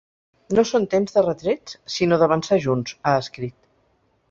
No són temps de retrets, sinó d’avançar junts, ha escrit.